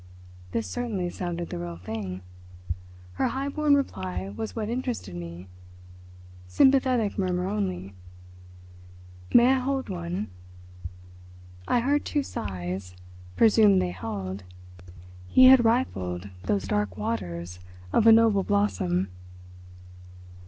This certainly sounded the real thing. Her high born reply was what interested me. Sympathetic murmur only. "May I hold one?" I heard two sighs—presumed they held—he had rifled those dark waters of a noble blossom.